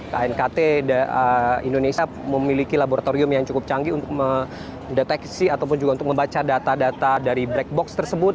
knkt indonesia memiliki laboratorium yang cukup canggih untuk mendeteksi ataupun juga untuk membaca data data dari black box tersebut